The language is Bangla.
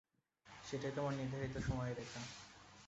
সেটাই তোমার নির্ধারিত সময়রেখা।